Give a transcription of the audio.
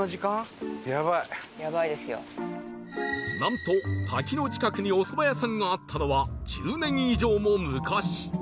なんと滝の近くにお蕎麦屋さんがあったのは１０年以上も昔